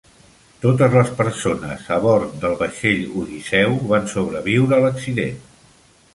Totes les persones a bord del vaixell Odiseu van sobreviure a l"accident.